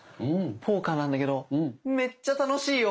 ポーカーなんだけどめっちゃ楽しいよ。